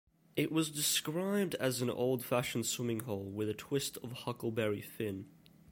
It was described as an "old-fashioned swimming hole" with "a twist of Huckleberry Finn".